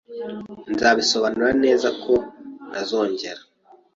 Nzabisobanura neza ko ntazongera.